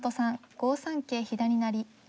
５三桂左成。